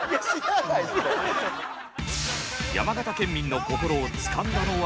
山形県民の心をつかんだのは。